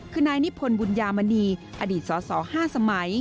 คือนายนิพนธ์บุญยามณีอดีตสส๕สมัย